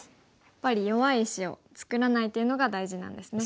やっぱり弱い石を作らないっていうのが大事なんですね。